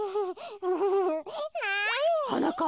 はなかっ